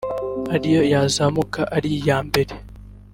ari yo yazamuka ari iya mbere